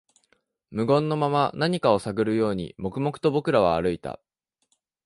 無言のまま、何かを探るように、黙々と僕らは歩いた